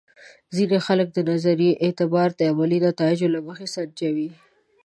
ځینې خلک د نظریې اعتبار د عملي نتایجو له مخې سنجوي.